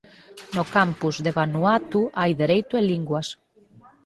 No campus de Vanuatu hai Dereito e Linguas.